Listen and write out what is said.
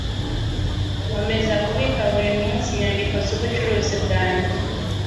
Nkomeza kubika buri munsi inyandiko zubucuruzi bwanjye.